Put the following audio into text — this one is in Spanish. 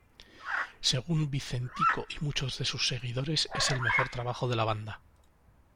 Según Vicentico y muchos de sus seguidores es el mejor trabajo de la banda.